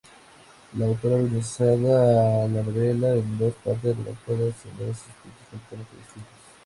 La autora organiza la novela en dos partes, redactadas en dos estilos completamente distintos.